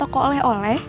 nggak toko oleh oleh